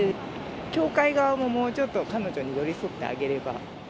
協会側ももうちょっと彼女に寄り添ってあげれば。